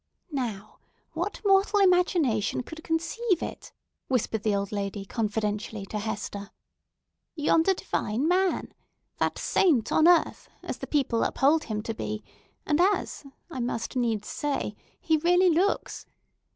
"Now, what mortal imagination could conceive it?" whispered the old lady confidentially to Hester. "Yonder divine man! That saint on earth, as the people uphold him to be, and as—I must needs say—he really looks!